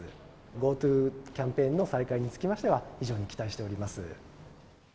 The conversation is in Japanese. ＧｏＴｏキャンペーンの再開につきましては、非常に期待しております。